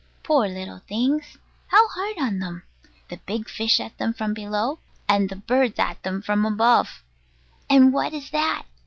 Poor little things! How hard on them! The big fish at them from below, and the birds at them from above. And what is that?